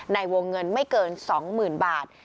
ในวงเงินไม่เกิน๒หมื่นบาท